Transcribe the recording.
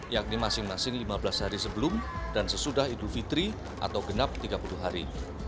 yakni masing masing lima belas hari sebelum dan sesudah idul fitri atau genap tiga puluh hari